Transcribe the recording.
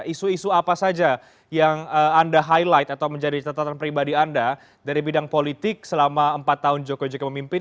isu isu apa saja yang anda highlight atau menjadi catatan pribadi anda dari bidang politik selama empat tahun jokowi jk memimpin